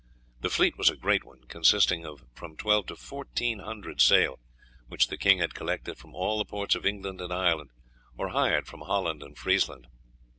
The fleet was a great one, consisting of from twelve to fourteen hundred sail, which the king had collected from all the ports of England and Ireland, or hired from Holland and Friesland.